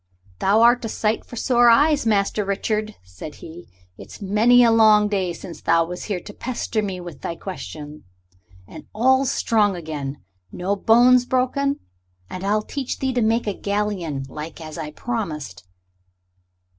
"Thou'rt a sight for sore eyes, Master Richard," he said; "it's many a long day since thou was here to pester me with thy questions. And all's strong again no bones broken? And now I'll teach thee to make a galleon, like as I promised."